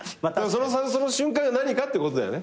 その瞬間が何かってことだよね。